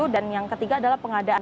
dan yang ketiga adalah pengadaan